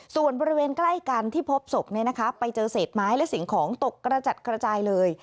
ส่วนบริเวณใกล้กันที่พบศพไปเจอเศษไม้และสิ่งของตกกระจัดกระจายเลย